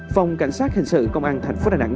phòng cảnh sát hình sự công an thành phố đà nẵng